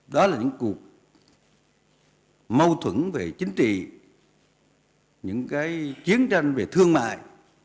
đó là những cuộc mâu thuẫn về chính trị những cái chiến tranh về thương mại